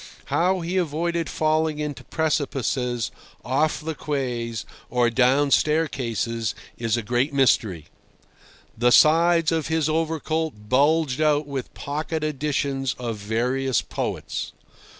How he avoided falling into precipices, off the quays, or down staircases is a great mystery. The sides of his overcoat bulged out with pocket editions of various poets.